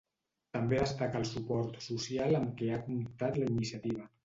També destaca el suport social amb què ha comptat la iniciativa.